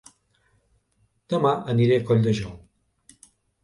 Dema aniré a Colldejou